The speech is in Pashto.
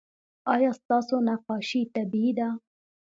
ایا ستاسو نقاشي طبیعي ده؟